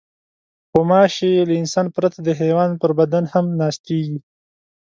غوماشې له انسان پرته د حیوان پر بدن هم ناستېږي.